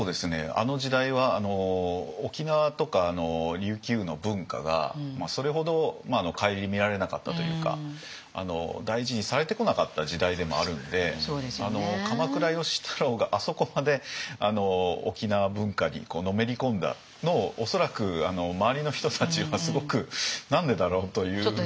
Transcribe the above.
あの時代は沖縄とか琉球の文化がそれほど顧みられなかったというか大事にされてこなかった時代でもあるので鎌倉芳太郎があそこまで沖縄文化にのめり込んだのを恐らく周りの人たちはすごく何でだろう？というふうな。